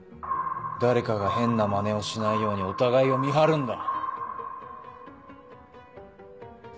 誰かが変なマネをしないようにお互いを見張るんだ。